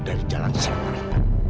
dari jalan kesempatan